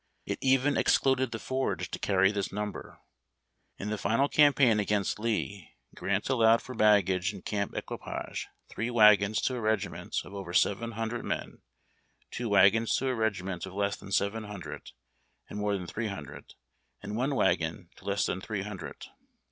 It even excluded the forage to carry tliis number. In the final campaign against Lee, Grant allowed for baggage and camp equipage three wagons to a regiment of over seven hundred men, two wagons to a regiment of less than seven hundred and more than three hundred, and one wagon to less than three hundred.